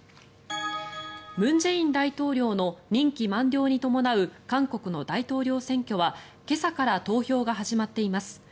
文在寅大統領の任期満了に伴う韓国の大統領選挙は今朝から投票が始まっています。